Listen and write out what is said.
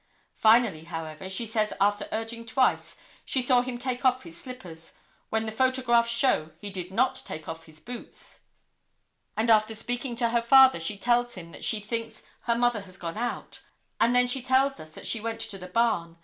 Finally, however, she says after urging twice, she saw him take off his slippers, when the photographs show he did not take off his boots, and after speaking to her father she tells him that she thinks her mother has gone out; and then she tells us that she went to the barn.